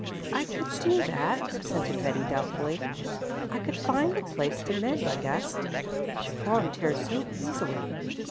"I could do that," assented Betty doubtfully. "I could find a place to mend, I guess. Chiffon tears so easily."